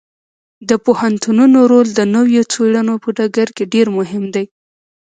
د پوهنتونونو رول د نویو څیړنو په ډګر کې ډیر مهم دی.